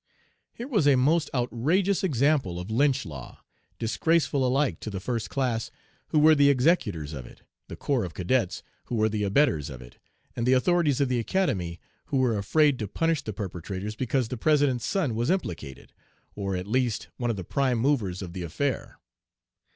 Here was a most outrageous example of Lynch law, disgraceful alike to the first class, who were the executors of it, the corps of cadets, who were the abettors of it, and the authorities of the Academy, who were afraid to punish the perpetrators because the President's son was implicated, or, at least, one of the prime movers of the affair.